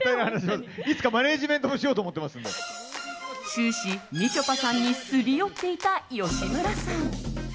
終始、みちょぱさんにすり寄っていた吉村さん。